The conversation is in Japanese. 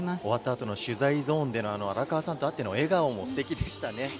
終わったあとの取材ゾーンでの荒川さんと会っての笑顔もすてきでしたね。